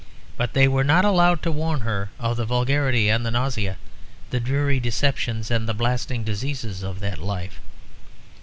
But they were not allowed to warn her of the vulgarity and the nausea, the dreary deceptions and the blasting diseases of that life.